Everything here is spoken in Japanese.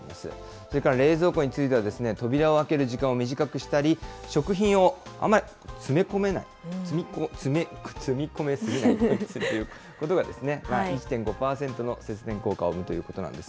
それから冷蔵庫については、扉を開ける時間を短くしたり、食品をあまり詰め込めない、積み込みすぎないということが、１．５％の節電効果を生むということなんです。